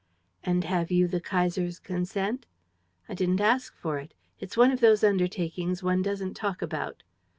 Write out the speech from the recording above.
"And have you the Kaiser's consent?" "I didn't ask for it. It's one of those undertakings one doesn't talk about."